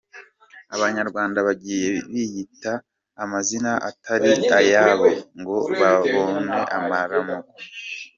Abanyarwanda bagiye biyita amazina atari ayabo ngo babone amaramuko.